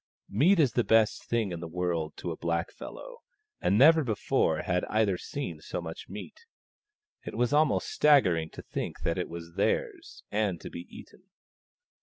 Meat is the best thing in the world to a blackfellow, and never before had either seen so much meat. It was almost staggering to think that it was theirs, and to be eaten.